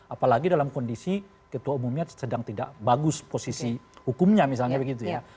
apalagi dalam kondisi ketua umumnya sedang tidak bagus posisi hukumnya misalnya begitu ya